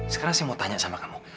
sekarang saya mau tanya sama kamu